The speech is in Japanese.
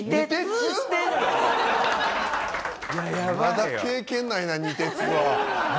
いまだ経験ないな２徹は。